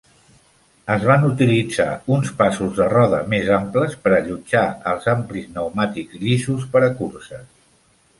Es van utilitzar uns passos de roda més amples per allotjar els amplis pneumàtics llisos per a curses.